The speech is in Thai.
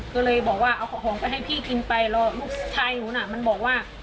ก็เลยบอกว่าเอาของไปให้พี่กินไปแล้วลูกชายหนูน่ะมันบอกว่า